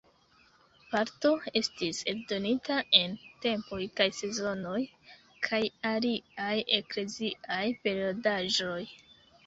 Parto estis eldonita en "Tempoj kaj Sezonoj" kaj aliaj ekleziaj periodaĵoj.